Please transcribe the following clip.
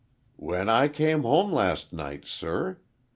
"When I came home last night, sir.